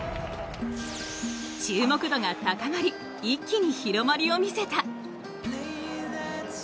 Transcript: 注目度が高まり一気に広まりを見せた。